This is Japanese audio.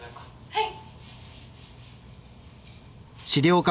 はい。